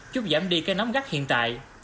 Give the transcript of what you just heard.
giúp giảm đi cây nóng gắt hiện tại